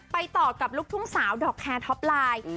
ต่อกับลูกทุ่งสาวดอกแคร์ท็อปไลน์